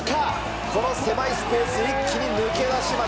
この狭いスペースに切り出します。